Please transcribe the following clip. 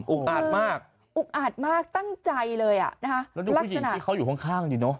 อุ๊กอาดมากอุ๊กอาดมากตั้งใจเลยอะนะฮะลักษณะแล้วนี่ผู้หญิงที่เขาอยู่ข้างดีเนอะ